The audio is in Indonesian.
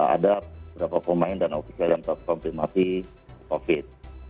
ada beberapa pemain dan ofisial yang terkonfirmasi covid